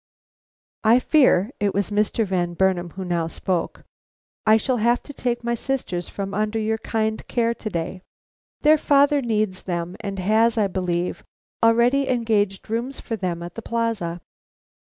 "I fear" it was Mr. Van Burnam who now spoke "I shall have to take my sisters from under your kind care to day. Their father needs them, and has, I believe, already engaged rooms for them at the Plaza."